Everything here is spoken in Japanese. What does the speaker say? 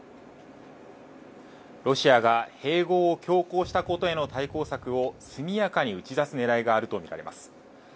ロシアが併合を強行したことへの対抗策を速やかに打ち出すねらいがあると見られます。